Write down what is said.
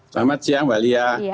selamat siang mbak lia